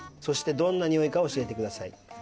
そしてどんなにおいか教えてください。